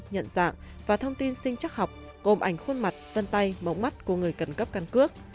nhận dạng và thông tin sinh chắc học gồm ảnh khuôn mặt vân tay mống mắt của người cần cấp căn cước